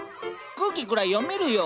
空気ぐらい読めるよ。